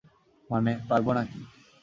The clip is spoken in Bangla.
মানে, পারবো নাকি?